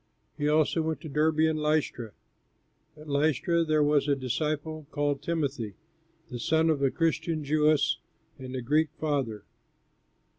He also went to Derbe and Lystra. At Lystra there was a disciple, called Timothy, the son of a Christian Jewess and a Greek father.